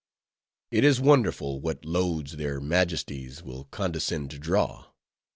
It is wonderful what loads their majesties will condescend to draw.